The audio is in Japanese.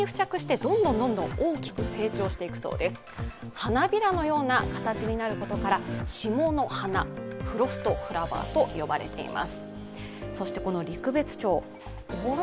花びらのような形になることから霜の花、フロストフラワーと呼ばれています。